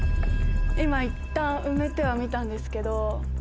今いったん埋めてはみたんですけど。